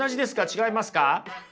違いますか？